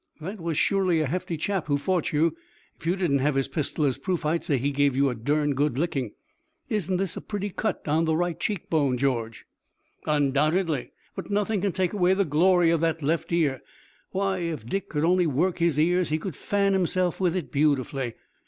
That was surely a hefty chap who fought you. If you didn't have his pistol as proof I'd say that he gave you a durned good licking. Isn't this a pretty cut down the right cheek bone, George?" "Undoubtedly, but nothing can take away the glory of that left ear. Why, if Dick could only work his ears he could fan himself with it beautifully.